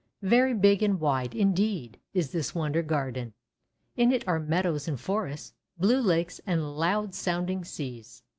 Very big and wide, indeed, is this Wonder Garden. In it are meadows and forests, blue lakes and loud sounding seas.